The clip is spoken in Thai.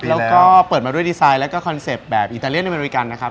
แล้วก็เปิดมาด้วยดีไซน์แล้วก็คอนเซ็ปต์แบบอิตาเลียนอเมริกันนะครับ